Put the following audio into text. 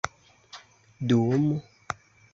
dum